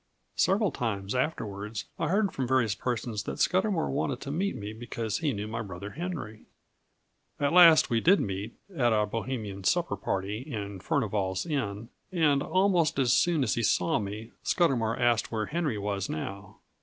Several times afterwards I heard from various persons that Scudamour wanted to meet me because he knew my brother Henry. At last we did meet, at a Bohemian supper party in Furnival's Inn; and, almost as soon as he saw me, Scudamour asked where Henry was now.